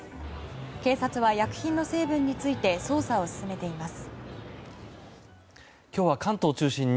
警察は薬品の成分について捜査を進めています。